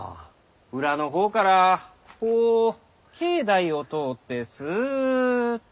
裏のほうからこう境内を通ってすっと。